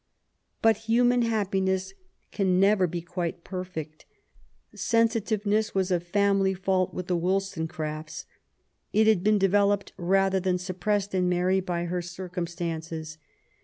But human happiness can never be quite perfect. Sensitiveness was a family fault with the Wollstone crafts. It had been developed rather than suppressed in Mary by her circumstances.